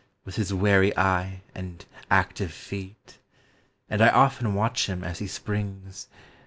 With his wary eye and active feet ; And I often watch him as be springs.